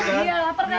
iya lapar dah